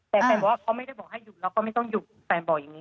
แต่แฟนบอกว่าเขาไม่ได้บอกให้หยุดแล้วก็ไม่ต้องหยุดแฟนบอกอย่างนี้